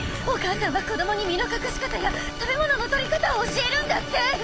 お母さんは子どもに身の隠し方や食べ物のとり方を教えるんだって！